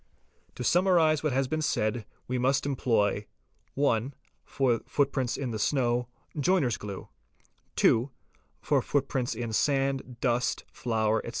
To summarise what has been said we must employ :— (1) for footprints in the snow: joiner's glue ; (2) for footprints in sand, dust, flour, etc.